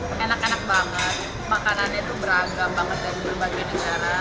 enak enak banget makanannya itu beragam banget dari berbagai negara